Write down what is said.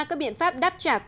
các biện pháp đáp trả tương xứng